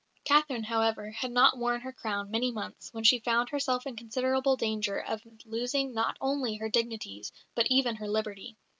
Catherine, however, had not worn her crown many months when she found herself in considerable danger of losing not only her dignities but even her liberty.